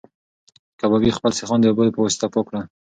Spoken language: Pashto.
کبابي خپل سیخان د اوبو په واسطه پاک کړل.